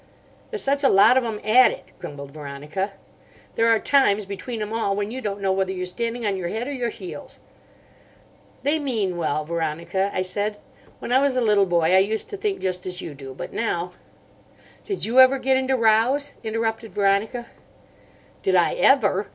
"There's such a lot of 'em at it," grumbled Veronica. "There are times, between 'em all, when you don't know whether you're standing on your head or your heels." "They mean well, Veronica," I said. "When I was a little boy I used to think just as you do. But now—" "Did you ever get into rows?" interrupted Veronica. "Did I ever?